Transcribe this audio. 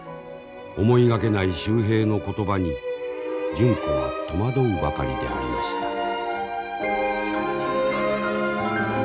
思いがけない秀平の言葉に純子は戸惑うばかりでありました。